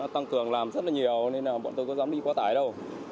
tăng cường làm rất là nhiều nên bọn tôi có dám đi quá tải đâu